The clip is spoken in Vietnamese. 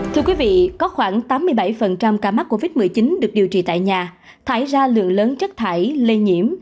thưa quý vị có khoảng tám mươi bảy ca mắc covid một mươi chín được điều trị tại nhà thải ra lượng lớn chất thải lây nhiễm